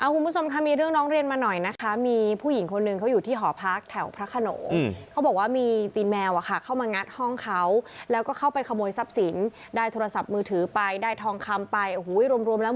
คุณผู้ชมค่ะมีเรื่องร้องเรียนมาหน่อยนะคะมีผู้หญิงคนหนึ่งเขาอยู่ที่หอพักแถวพระขนงเขาบอกว่ามีตีนแมวเข้ามางัดห้องเขาแล้วก็เข้าไปขโมยทรัพย์สินได้โทรศัพท์มือถือไปได้ทองคำไปโอ้โหรวมแล้ว